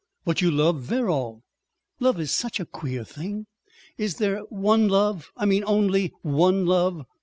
"But you love Verrall." "Love is such a queer thing! ... Is there one love? I mean, only one love?"